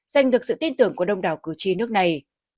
giành được sự tin tưởng của đông đảo cử tri nước này